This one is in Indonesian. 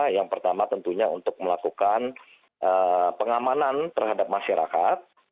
yang pertama tentunya untuk melakukan pengamanan terhadap masyarakat